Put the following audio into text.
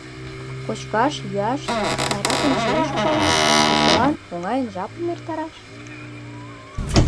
Кочкаш-йӱаш, сайракын чиен шогалаш, веселан, оҥайын жапым эртараш?..